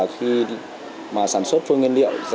khi sản xuất phương nguyên liệu